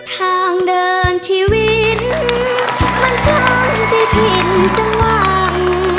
ทางเดินชีวิตมันคลั่งที่ผิดจนหวัง